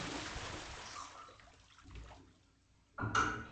Al este se encuentra el Neusiedl, en la frontera con Hungría.